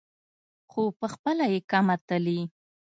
خو پخپله یې کمه تلي.